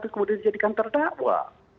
kemudian dijadikan terdakwa